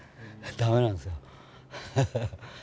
ダメなんですよ。